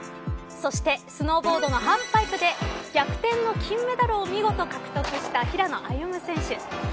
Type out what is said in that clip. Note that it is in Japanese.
そしてスノーボードのハーフパイプで逆転の金メダルを見事獲得した平野歩夢選手。